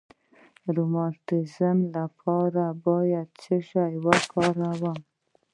د روماتیزم لپاره باید څه شی وکاروم؟